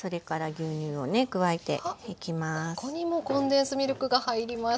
ここにもコンデンスミルクが入ります。